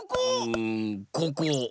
うんここ！